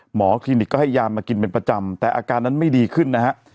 คลินิกก็ให้ยามากินเป็นประจำแต่อาการนั้นไม่ดีขึ้นนะฮะ